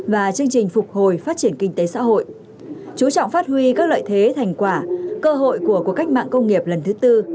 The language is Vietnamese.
và chương trình phục hồi phát triển kinh tế xã hội chú trọng phát huy các lợi thế thành quả cơ hội của cuộc cách mạng công nghiệp lần thứ tư